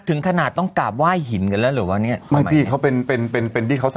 ถึงถึงขึ้นถึงคนก็เป็นภาพ